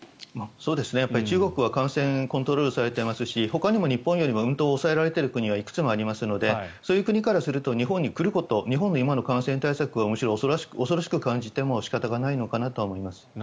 中国は感染がコントロールされてますしほかにも日本よりもうんと抑えられている国はいくつもありますのでそういう国からすると日本に来ること日本の今の感染対策を恐ろしく感じても仕方ないのかなと思います。